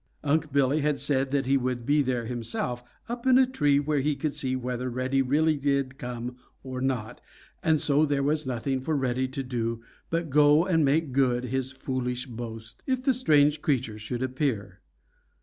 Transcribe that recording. Unc' Billy had said that he would be there himself up in a tree where he could see whether Reddy really did come or not, and so there was nothing for Reddy to do but to go and make good his foolish boast, if the strange creature should appear.